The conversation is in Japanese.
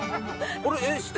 これ。